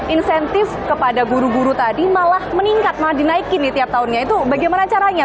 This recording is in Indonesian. insentif kepada guru guru tadi malah meningkat malah dinaikin nih tiap tahunnya itu bagaimana caranya